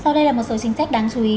sau đây là một số chính sách đáng chú ý